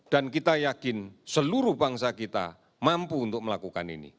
dan kita yakin seluruh bangsa kita mampu untuk melakukan ini